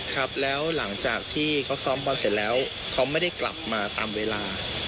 ครับแล้วหลังจากที่เขาซ้อมบอลเสร็จแล้วเขาไม่ได้กลับมาตามเวลา